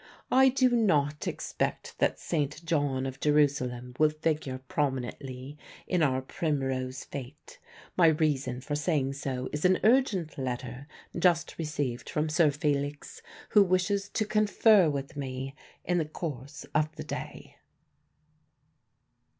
I do not expect that St. John of Jerusalem will figure prominently in our Primrose fete. My reason for saying so is an urgent letter just received from Sir Felix, who wishes to confer with me in the course of the day.